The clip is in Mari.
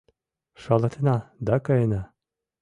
Шалатена да каена.